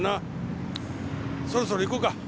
そろそろ行こうか。